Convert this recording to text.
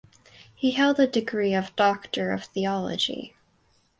He held the degree of Doctor of Theology.